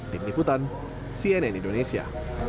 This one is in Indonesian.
tim diputan cnn indonesia